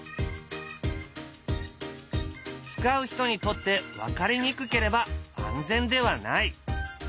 使う人にとって分かりにくければ安全ではない。